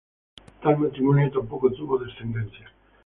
Tal matrimonio tampoco tuvo descendencia.